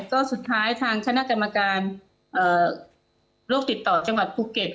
ก็สุดท้ายทางคณะกรรมการโรคติดต่อจังหวัดภูเก็ต